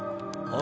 あ！